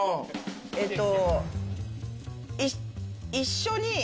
えっと。